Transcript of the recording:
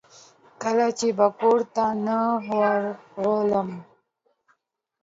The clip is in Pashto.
کله چې به کورته نه ورغلم.